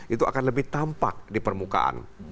itu akan lebih tampak di permukaan